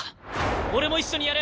俺も一緒にやる！